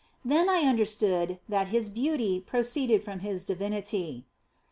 Then I understood that His beauty proceeded from His divinity.